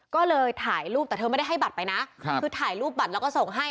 ก็เลยถ่ายรูปแต่เธอไม่ได้ให้บัตรไปนะคือถ่ายรูปบัตรแล้วก็ส่งให้